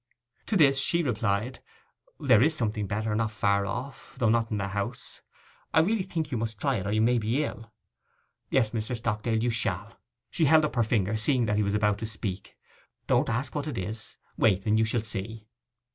To this she replied, 'There is something better, not far off, though not in the house. I really think you must try it, or you may be ill. Yes, Mr. Stockdale, you shall.' She held up her finger, seeing that he was about to speak. 'Don't ask what it is; wait, and you shall see.